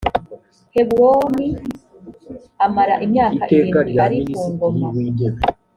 heburoni amara imyaka irindwi ari ku ngoma